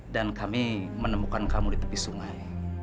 dan kami menemukan kamu di tepi sungai